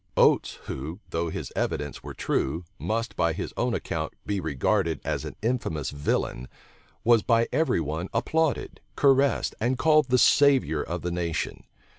Oates, who, though his evidence were true, must, by his own account, be regarded as an infamous villain, was by every one applauded, caressed and called the savior of the nation.